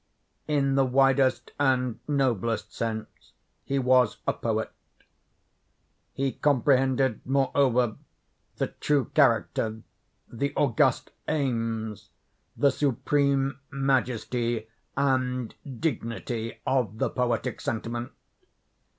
In the widest and noblest sense he was a poet. He comprehended, moreover, the true character, the august aims, the supreme majesty and dignity of the poetic sentiment.